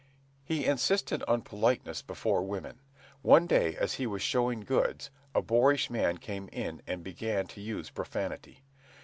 He insisted on politeness before women. One day as he was showing goods, a boorish man came in and began to use profanity.